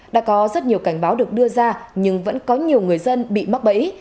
đã có rất nhiều cảnh báo được đưa ra nhưng vẫn có nhiều người dân bị mắc bẫy